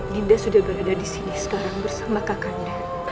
dinda sudah berada disini sekarang bersama kakanda